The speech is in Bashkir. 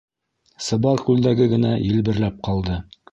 Сыбар күлдәге генә елберләп ҡалды.